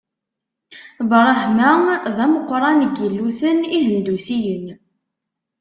Brahma d ameqqran n yilluten ihendusiyen.